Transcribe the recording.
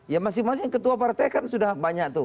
ya masing masing ketua partai kan sudah banyak tuh